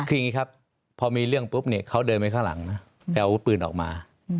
คืออย่างนี้ครับพอมีเรื่องปุ๊บเนี่ยเขาเดินไปข้างหลังนะไปอาวุธปืนออกมา